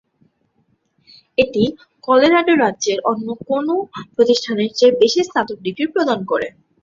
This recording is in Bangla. এটি কলোরাডো রাজ্যের অন্য কোনও প্রতিষ্ঠানের চেয়ে বেশি স্নাতক ডিগ্রি প্রদান করে।